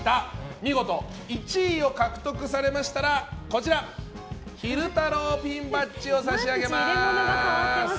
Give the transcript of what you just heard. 見事１位を獲得されましたら昼太郎ピンバッジを差し上げます。